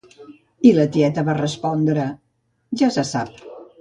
I la tieta va respondre: Ja se sap.